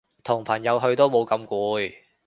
同朋友去都冇咁攰